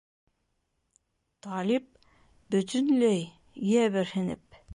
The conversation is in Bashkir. Талип, бөтөнләй, йәберһенеп: